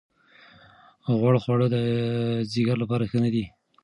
غوړ خواړه د ځیګر لپاره ښه نه دي.